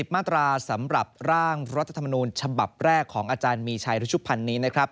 ๒๗๐มาตราสำหรับร่างรัฐธรรมนูลฉบับแรกของอาจารย์มีชัยธุชุภัณฑ์นี้